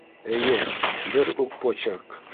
Эйе, бер үк почерк.